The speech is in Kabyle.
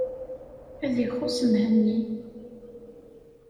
Ad ixuṣ Mhenni.